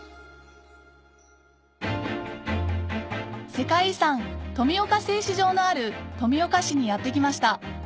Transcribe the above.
世界遺産富岡製糸場のある富岡市にやって来ました